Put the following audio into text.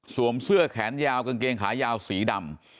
เสื้อแขนยาวกางเกงขายาวสีดำ